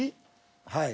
はい。